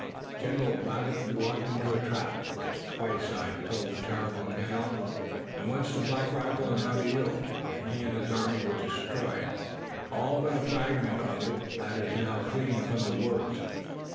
General Braddock walked into a trap it's twice I've told the terrible tale, once to Black Rifle and now to you and he and his army were destroyed, all but a fragment of it that is now fleeing from the woods."